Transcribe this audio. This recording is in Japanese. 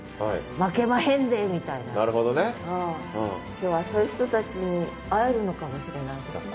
今日はそういう人たちに会えるのかもしれないですね。